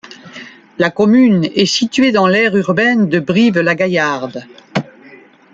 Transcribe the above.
La commune est située dans l'aire urbaine de Brive-la-Gaillarde.